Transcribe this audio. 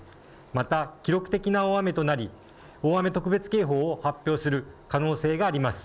また、記録的な大雨となり大雨特別警報を発表する可能性があります。